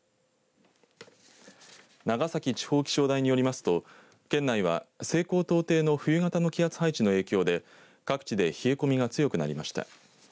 長崎地方気象台によりますと県内は西高東低の冬型の気圧配置の影響で各地で冷え込みが強くなりました。